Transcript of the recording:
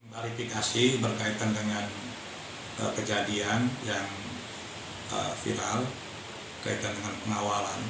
klarifikasi berkaitan dengan kejadian yang viral kaitan dengan pengawalan